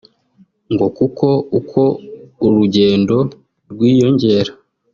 ngo kuko uko urugendo rwiyongera